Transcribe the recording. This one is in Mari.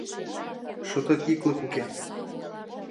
Шотет йыклык уке!